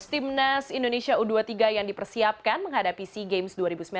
timnas indonesia u dua puluh tiga yang dipersiapkan menghadapi sea games dua ribu sembilan belas